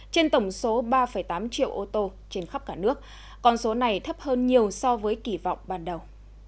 trên tổng số ba tám triệu ô tô trên khắp cả nước con số này thấp hơn nhiều so với kỳ vọng ban đầu